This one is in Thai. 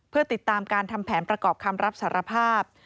เพื่อติดตามการทำแผนประกอบคำรับสารภาพ